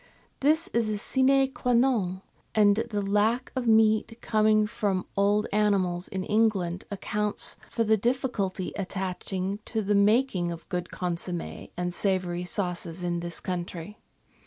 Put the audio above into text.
This is a sine qua non, and the lack of meat coming from old animals in England accounts for the difficulty attaching to the making of a good consomm^ and savoury sauces in this country.